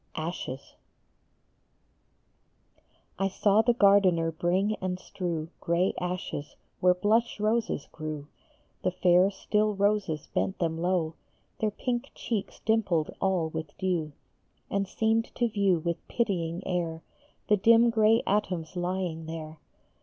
ASHES. SAW the gardener bring and strew Gray ashes where blush roses grew. The fair, still roses bent them low, Their pink cheeks dimpled all with dew, And seemed to view with pitying air The dim gray atoms lying there.